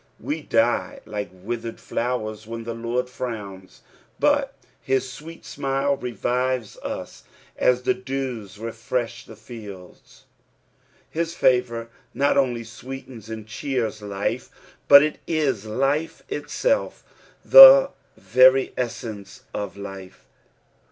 We die like withered flowers when the Lord frowns, but his sweet smile revives us as the dews lefresL the fields. His favour not only sweetens and eheers life, but it is life itself, Iho . Tery essence of life.